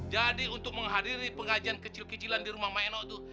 jadi untuk menghadiri pengajian kecil kecilan di rumah makno itu